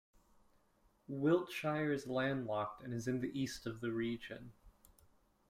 Wiltshire is landlocked and is in the east of the region.